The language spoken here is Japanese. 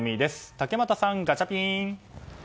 竹俣さん、ガチャピン！